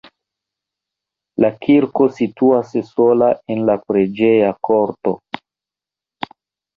La kirko situas sola en la preĝeja korto.